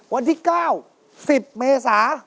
วันที่๙๑๐เมษา